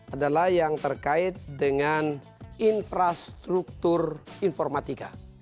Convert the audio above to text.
adalah yang terkait dengan infrastruktur informatika